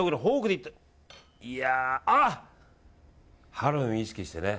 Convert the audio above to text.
ハロウィーンを意識してね。